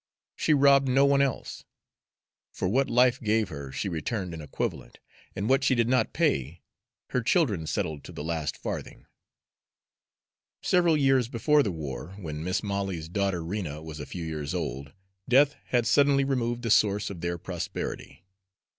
She robbed no one else. For what life gave her she returned an equivalent; and what she did not pay, her children settled to the last farthing. Several years before the war, when Mis' Molly's daughter Rena was a few years old, death had suddenly removed the source of their prosperity.